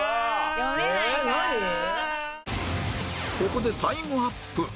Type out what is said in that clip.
ここでタイムアップ